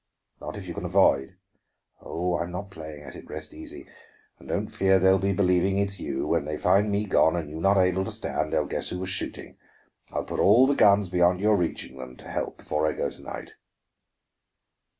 "Not if you can avoid!" "Oh, I'm not playing at it; rest easy. And don't fear they'll be believing it's you. When they find me gone and you not able to stand, they'll guess who was shooting. I'll put all the guns beyond your reaching them, to help, before I go to night."